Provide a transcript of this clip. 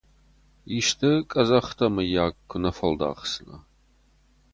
Исты къӕдзӕхтӕ, мыййаг, куы нӕ фӕлдахдзынӕ!